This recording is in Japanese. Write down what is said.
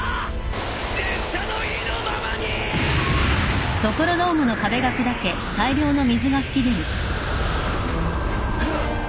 拙者の意のままに！！はっ！？